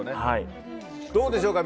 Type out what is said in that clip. どうでしょうか。